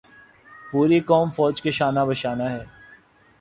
پوری قوم فوج کے شانہ بشانہ ہے۔